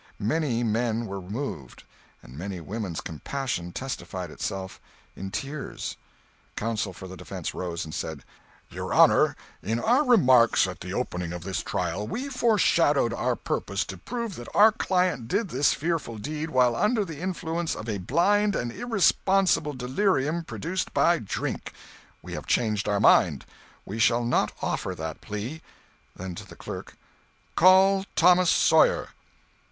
Many men were moved, and many women's compassion testified itself in tears. Counsel for the defence rose and said: "Your honor, in our remarks at the opening of this trial, we foreshadowed our purpose to prove that our client did this fearful deed while under the influence of a blind and irresponsible delirium produced by drink. We have changed our mind. We shall not offer that plea." [Then to the clerk:] "Call Thomas Sawyer!"